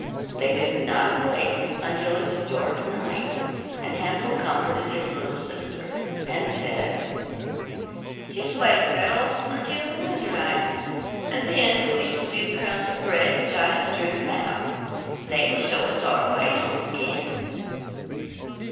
They did not awake until it was dark night, and Hansel comforted his little sister and said: 'Just wait, Gretel, until the moon rises, and then we shall see the crumbs of bread which I have strewn about, they will show us our way home again.